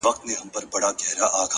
هره تجربه د پوهې نوی فصل دی,